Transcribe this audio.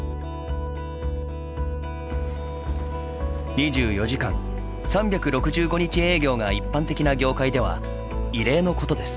２４時間３６５日営業が一般的な業界では異例のことです。